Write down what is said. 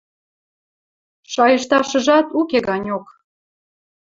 Шайышташыжат уке ганьок...